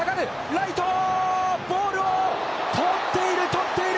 ライト、ボールを捕っている捕っている！